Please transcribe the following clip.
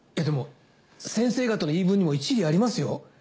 でも先生方の言い分にも一理ありますよ